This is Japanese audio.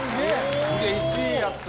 すげぇ１位やった。